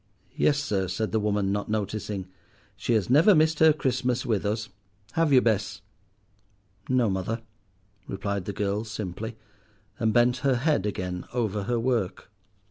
"Yes, sir," said the woman, not noticing; "she has never missed her Christmas with us, have you, Bess?" "No, mother," replied the girl simply, and bent her head again over her work.